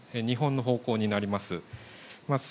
日本の方向になります。